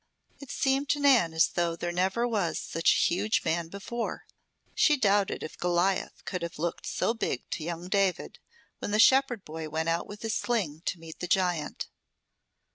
It seemed to Nan as though there never was such a huge man before. She doubted if Goliath could have looked so big to young David, when the shepherd boy went out with his sling to meet the giant.